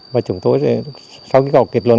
và chúng tôi sau khi có kết luận